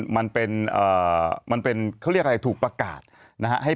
เขาเรียกอะไร